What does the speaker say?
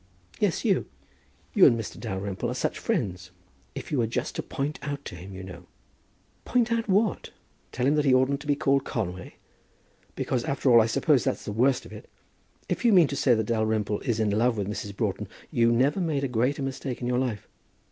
"Yes, you. You and Mr. Dalrymple are such friends! If you were just to point out to him you know " "Point out what? Tell him that he oughtn't to be called Conway? Because, after all, I suppose that's the worst of it. If you mean to say that Dalrymple is in love with Mrs. Broughton, you never made a greater mistake in your life."